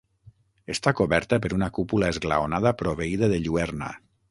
Està coberta per una cúpula esglaonada proveïda de lluerna.